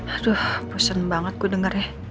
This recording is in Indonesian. aduh pusing banget gue dengarnya